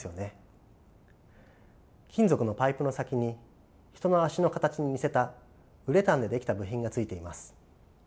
金属のパイプの先に人の足の形に似せたウレタンで出来た部品がついています。